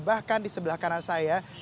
bahkan di sebelah kanan saya